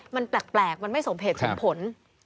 มันแปลกมันไม่สมเหตุสมผล